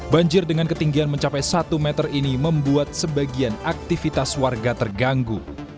banjir dengan ketinggian mencapai satu meter ini membuat sebagian aktivitas warga terganggu